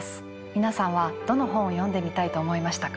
皆さんはどの本を読んでみたいと思いましたか？